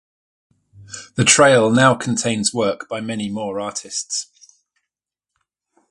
The trail now contains work by many more artists.